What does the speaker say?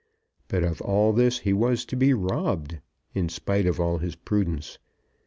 But of all this he was to be robbed, in spite of all his prudence.